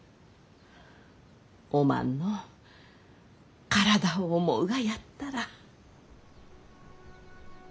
おまんの体を思うがやったら。